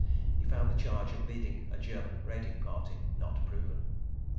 He found the charge of leading a German raiding party Not Proven.